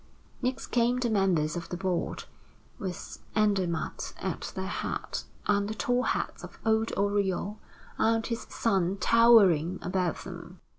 Next came the members of the Board, with Andermatt at their head, and the tall hats of old Oriol and his son towering above them.